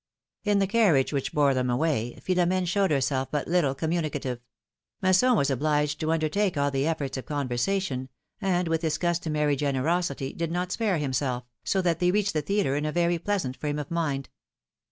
In the carriage which bore them away, Philom^ne showed herself but little communicative; Masson was obliged to undertake all the efforts of conversation, and with his customary generosity did not spare himself, so that they reached the theatre in a very pleasant frame of mind.